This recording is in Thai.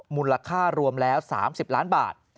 มูลค่ารวมแล้ว๓๐ล้านบาท